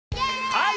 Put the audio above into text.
はい！